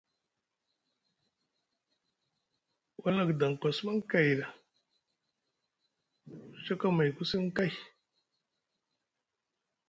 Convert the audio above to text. Wala na guidaŋku a sumaŋ kay ku saka mayku siŋ kay.